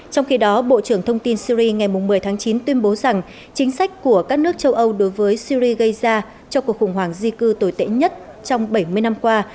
trong khi đó bộ trưởng thông tin syri ngày một mươi tháng chín tuyên bố rằng chính sách của các nước châu âu đối với syri gây ra cho cuộc khủng hoảng di cư tồi tệ nhất trong bảy mươi năm qua